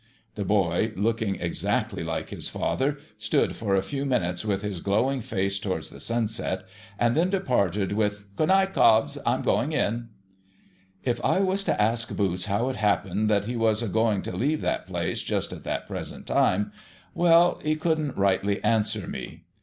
The boy, looking exacdy like his father, stood for a few minutes with his glowing face towards the sunset, and then departed with, ' Good night, Cobbs. I'm going in.' If I was to ask Boots how it happened that he was a going to leave that place just at that present time, well, he couldn't rightly io6 THE HOLLY TREE answer me.